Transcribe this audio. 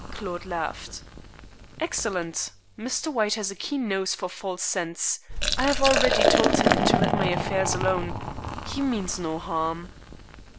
Claude laughed. "Excellent. Mr. White has a keen nose for false scents. I have already told him to let my affairs alone. He means no harm."